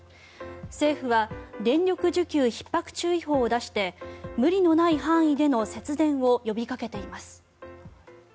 政府は電力需給ひっ迫注意報を出して無理のない範囲での節電を呼びかけています。